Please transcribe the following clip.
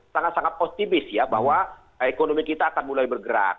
sangat sangat postibis ya bahwa ekonomi kita akan mulai bergerak